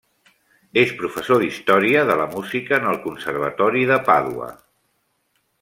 És professor d'història de la música en el Conservatori de Pàdua.